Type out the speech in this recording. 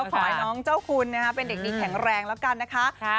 ขอให้น้องเจ้าคุณเป็นเด็กดีแข็งแรงแล้วกันนะคะ